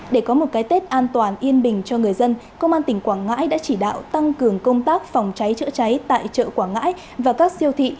để có một cái tết an toàn yên bình cho người dân công an tỉnh quảng ngãi đã chỉ đạo tăng cường công tác phòng cháy chữa cháy tại chợ quảng ngãi và các siêu thị